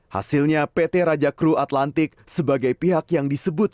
hasilnya pt raja kru atlantik sebagai pihak yang disebut